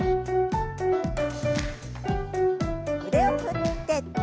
腕を振って。